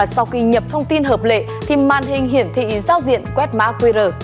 sau khi nhập thông tin hợp lệ thì màn hình hiển thị giao diện quét mã qr